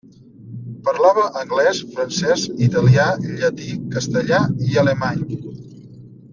Parlava anglès, francès, italià, llatí, castellà i alemany.